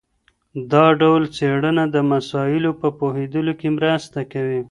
دا ډول څېړنه د مسایلو په پوهېدلو کي مرسته کوي.